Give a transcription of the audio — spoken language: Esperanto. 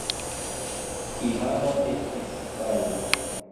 Ivano estis pala.